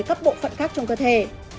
các trường cơ thể